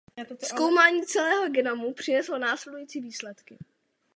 Zkoumání celého genomu přineslo následující výsledky.